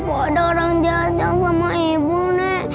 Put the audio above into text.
apakah ada orang jahat yang sama ibu nek